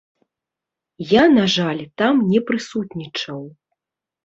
Я, на жаль, там не прысутнічаў.